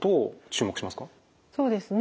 そうですね。